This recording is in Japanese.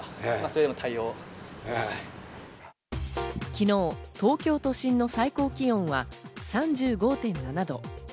昨日、東京都心の最高気温は３５．７度。